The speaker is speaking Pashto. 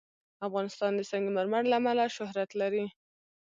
افغانستان د سنگ مرمر له امله شهرت لري.